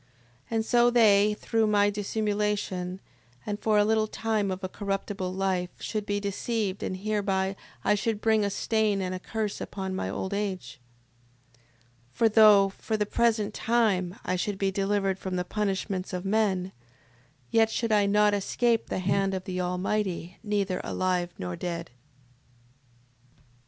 And so they, through my dissimulation, and for a little time of a corruptible life, should be deceived, and hereby I should bring a stain and a curse upon my old age. 6:26. For though, for the present time, I should be delivered from the punishments of men, yet should I not escape the hand of the Almighty neither alive nor dead. 6:27.